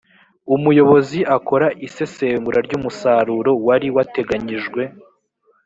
umuyobozi akora isesengura ry umusaruro wari wateganyijwe